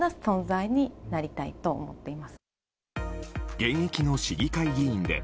現役の市議会議員で。